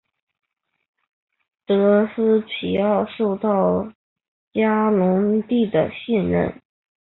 德斯皮奥受到嘉隆帝的信任。